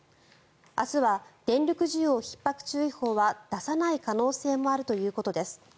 明日は電力需給ひっ迫注意報は出さない可能性もあるということです。